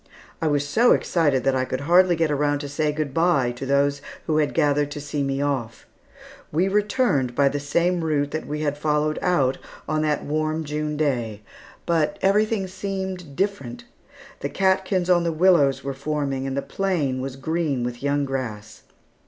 I was so excited that I could hardly get around to say good bye to those who had gathered to see me off. We returned by the same route that we had followed out on that warm June day, but everything seemed different. The catkins on the willows were forming and the plain was green with young grass.